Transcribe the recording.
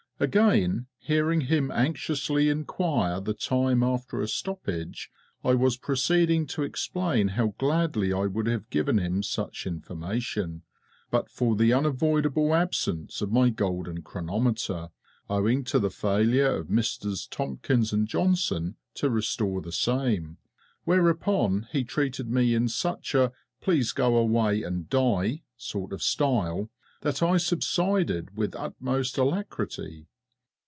Again, hearing him anxiously inquire the time after a stoppage, I was proceeding to explain how gladly I would have given him such information, but for the unavoidable absence of my golden chronometer, owing to the failure of Misters TOMKINS and JOHNSON to restore the same, whereupon he treated me in such a "please go away and die" sort of style that I subsided with utmost alacrity.